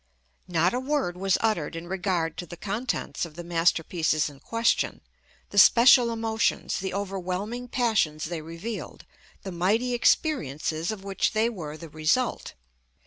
Not a word was uttered in regard to the contents of the masterpieces in question, the special emotions, the overwhelming passions they revealed, the mighty experiences of which they were the result.